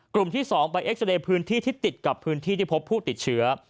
ที่๒ไปเอ็กซาเรย์พื้นที่ที่ติดกับพื้นที่ที่พบผู้ติดเชื้อ